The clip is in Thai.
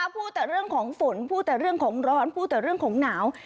พูดแต่เรื่องของฝนพูดแต่เรื่องของร้อนพูดแต่เรื่องของหนาว